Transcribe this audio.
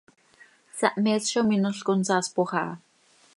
Sahmees zo minol consaaspoj aha.